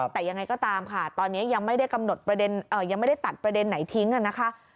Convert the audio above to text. แต่ยังไงก็ตามค่ะตอนนี้ยังไม่ได้กำหนดประเด็นยังไม่ได้ตัดประเด็นไหนทิ้งนะคะ